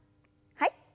はい。